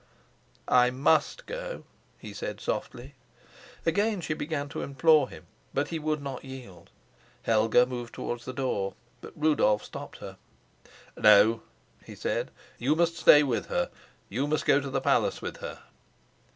"I must go," he said softly. Again she began to implore him, but he would not yield. Helga moved towards the door, but Rudolf stopped her. "No," he said; "you must stay with her; you must go to the palace with her."